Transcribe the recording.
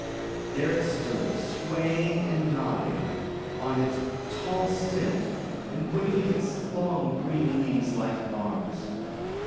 There it stood sway ing and nodding on its tall stem, and waving its long green leaves like arms.